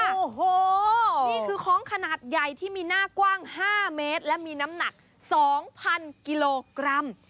โอ้โหนี่คือคล้องขนาดใหญ่ที่มีหน้ากว้าง๕เมตรและมีน้ำหนัก๒๐๐กิโลกรัม